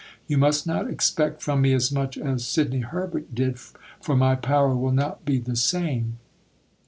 You must not expect from me as much as Sidney Herbert did, for my power will not be the same.